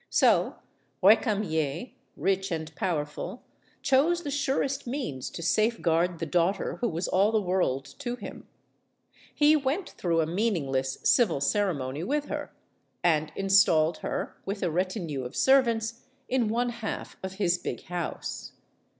So Recamier, rich and powerful, chose the surest means to safeguard the daughter who was all the world to him. He went through a meaningless "civil cere mony" with her; and installed her, with a retinue of servants, in one half of his big house.